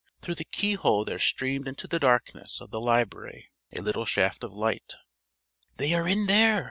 Through the keyhole there streamed into the darkness of the library a little shaft of light. "They are in there!